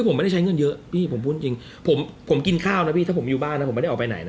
ผมไม่ใช้เงินเยอะผมบอกจริงผมกินข้าวถ้าผมอยู่บ้านผมไม่ได้ออกไปหาย